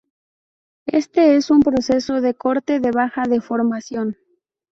Este es un proceso de corte de baja deformación.